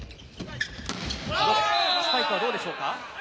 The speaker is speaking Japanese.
スパイクはどうでしょうか？